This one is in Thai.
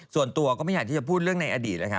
ส่วนตัวก็ไม่อยากที่จะพูดเรื่องในอดีตเลยค่ะ